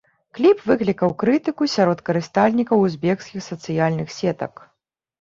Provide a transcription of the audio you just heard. Кліп выклікаў крытыку сярод карыстальнікаў узбекскіх сацыяльных сетак.